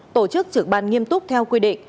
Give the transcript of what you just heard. tổ chức trực ban nghiêm túc theo quy định